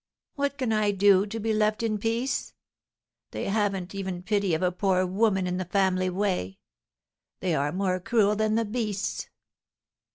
What can I do to be left in peace? They haven't even pity of a poor woman in the family way. They are more cruel than the beasts.